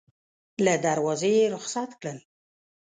له دروازې یې رخصت کړل.